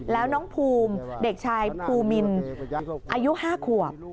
แล้วน้องภูมิเด็กชายภูมินอายุ๕ขวบ